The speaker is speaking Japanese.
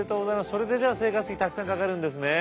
それでじゃあ生活費たくさんかかるんですね。